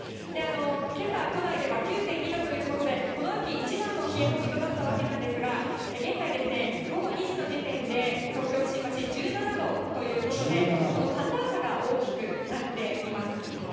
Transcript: けさ、都内では９．２度ということで、この秋一番の冷え込みとなったわけなんですが、現在ですね、午後２時の時点で東京・新橋、１７度ということで、寒暖差が大きくなっています。